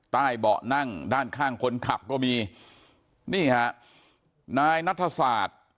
เบาะนั่งด้านข้างคนขับก็มีนี่ฮะนายนัทศาสตร์